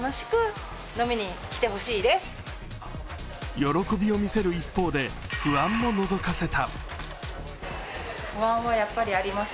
喜びを見せる一方で不安ものぞかせた。